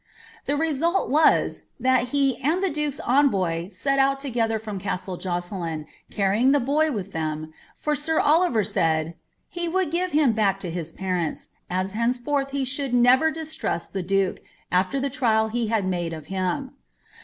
The result was, thai he and the duke's envoy set out together from caaile Josselin, carrying the boy with them, for sir Oliver said — "He would give him back to his parents, as henceforth he should never dia inul the dnke, after the trial he had made of him."